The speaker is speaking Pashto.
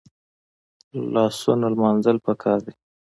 لاسونه لمانځل پکار دي